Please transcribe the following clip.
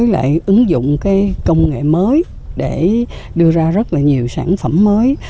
để ứng dụng công nghệ mới để đưa ra rất nhiều sản phẩm mới